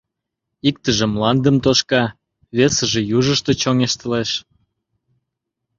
Иктыже мландым тошка, весыже южышто чоҥештылеш.